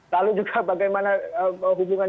lalu juga bagaimana hubungan